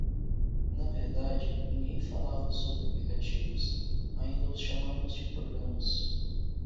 Na verdade, ninguém falava sobre aplicativos: ainda os chamamos de programas.